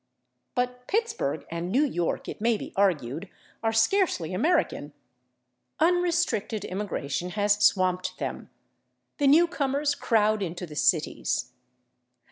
But Pittsburgh and New York, it may be argued, are scarcely American; unrestricted immigration has swamped them; the newcomers crowd into the cities.